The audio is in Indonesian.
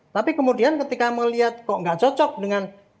tapi kemudian ketika melihat kok nggak cocok dengan